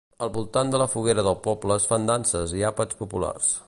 Al voltant de la foguera del poble es fan danses i àpats populars.